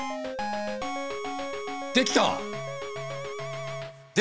できた！